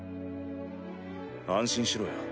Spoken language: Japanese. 安心しろよ